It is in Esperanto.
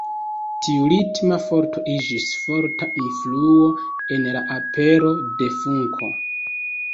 Tiu ritma forto iĝis forta influo en la apero de funko.